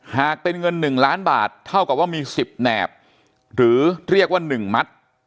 หากเป็นเงิน๑ล้านบาทเท่ากับว่ามี๑๐แหนบหรือเรียกว่า๑มัด